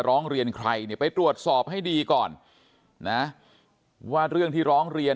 ร้องเรียนใครเนี่ยไปตรวจสอบให้ดีก่อนนะว่าเรื่องที่ร้องเรียน